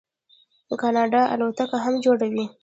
کاناډا الوتکې هم جوړوي.